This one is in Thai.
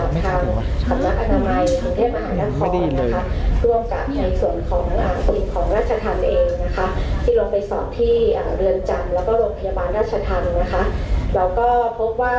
มีอาการแพทย์มีเสียงหักอาการไม่ได้ชักเจนอะไรนะคะ